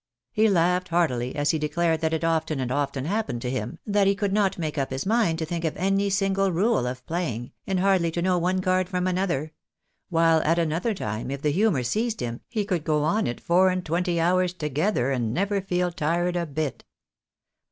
He laughed heartily, as lie declared that it often and often happened to him, that he could not make up his mind to think of any single rule of playing, and hardly to know one card from another ; while at another time, if the humour seized him, he could go on at it four and twenty hours together, and never feel tired a bit.